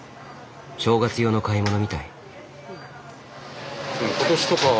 正月用の買い物みたい。